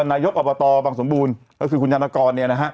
นายกอบตบางสมบูรณ์ก็คือคุณยันละกร